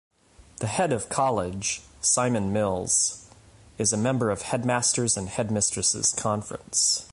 The Head of College, Simon Mills, is a member of Headmasters' and Headmistresses' Conference.